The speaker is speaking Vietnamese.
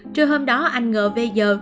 trưa hôm đó anh ngờ bây giờ